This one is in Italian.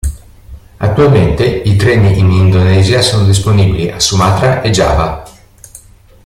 Attualmente, i treni in Indonesia sono disponibili a Sumatra e Giava.